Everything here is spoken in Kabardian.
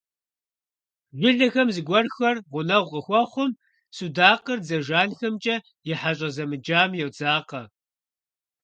Жылэхэм зыгуэрхэр гъунэгъу къыхуэхъум, судакъыр дзэ жанхэмкӀэ а хьэщӀэ зэмыджам йодзакъэ.